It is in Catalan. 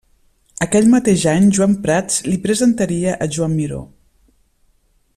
Aquell mateix any Joan Prats li presentaria a Joan Miró.